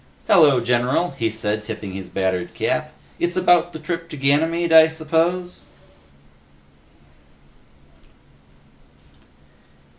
"Hello, general," he said, tipping his battered cap. "It's about the trip to Ganymede, I suppose?"